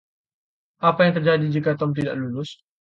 Apa yang terjadi jika Tom tidak lulus?